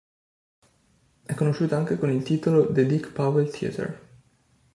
È conosciuta anche con il titolo The Dick Powell Theatre.